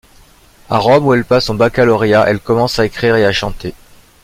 À Rome où elle passe son baccalauréat, elle commence à écrire et à chanter.